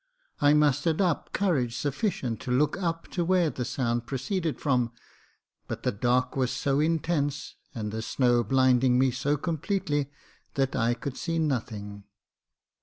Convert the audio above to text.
I mustered up courage sufficient to look up to where the sound pro ceeded from ; but the darkness was so intense, and the snow blinded me so completely, that I could see nothing.